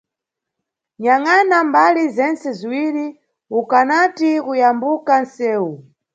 Nyangʼana mbali zentse ziwiri ukanati kuyambuka nʼsewu.